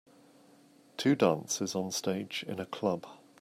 Two dancers on stage in a club.